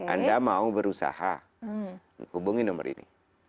anda mau berusaha hubungi nomor ini